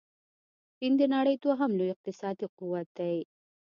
چين د نړۍ دوهم لوی اقتصادي قوت دې.